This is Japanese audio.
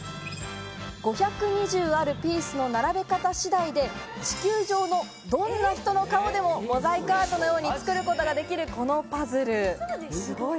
５２０あるピースの並べ方次第で、地球上のどんな人の顔でもモザイクアートのように作ることができるこのパズル。